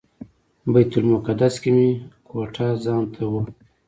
بیت المقدس کې مې کوټه ځانته وه.